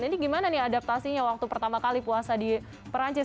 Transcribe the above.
ini gimana nih adaptasinya waktu pertama kali puasa di perancis